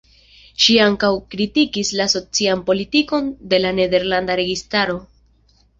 Ŝi ankau kritikis la socian politikon de la nederlanda registaro.